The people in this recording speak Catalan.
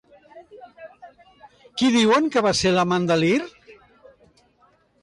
Qui diuen que va ser l'amant de Lir?